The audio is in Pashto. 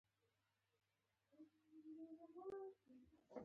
آیا د ایران اقلیم متنوع نه دی؟